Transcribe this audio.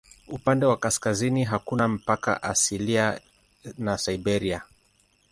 Upande wa kaskazini hakuna mpaka asilia na Siberia.